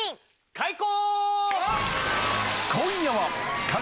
開講！